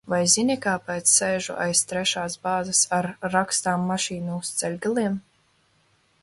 Vai zini, kāpēc sēžu aiz trešās bāzes ar rakstāmmašīnu uz ceļgaliem?